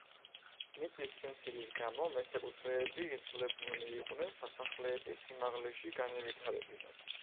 მიწის სიმცირის გამო, მესაკუთრეები იძულებულნი იყვნენ სასახლეები სიმაღლეში განევითარებინათ.